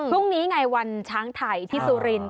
พรุ่งนี้ไงวันช้างไทยที่สุรินทร์